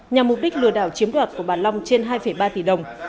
nhằm mục đích lừa đảo chiếm đoạt của bà long trên hai ba tỷ đồng